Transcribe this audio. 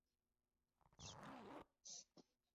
洛克马里亚凯尔人口变化图示